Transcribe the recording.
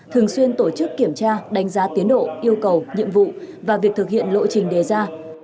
thường xuyên tổ chức kiểm tra đánh giá tiến độ yêu cầu nhiệm vụ và việc thực hiện lộ trình đề ra